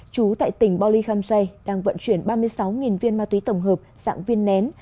trú tại tỉnh bò lì kham xoay đang vận chuyển ba mươi sáu viên ma túy tổng hợp dạng viên nén